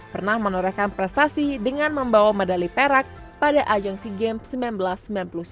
pernah menurut rekan prestasi dengan membawa medali perak pada ajang sea games seribu sembilan ratus sembilan puluh satu